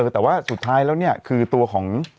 แต่ว่าสุดท้ายแล้วเนี่ยคือตัวของ